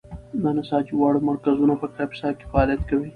د نساجۍ واړه مرکزونه په کاپیسا کې فعالیت کوي.